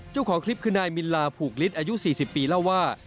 เจ้าของคลิปคือนายมิลลาผูกฤทธิอายุ๔๐ปีเล่าว่า